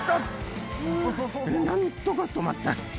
何とか止まった。